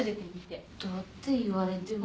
どうって言われても。